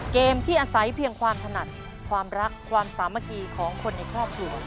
เกมที่อาศัยเพียงความถนัดความรักความสามัคคีของคนในครอบครัว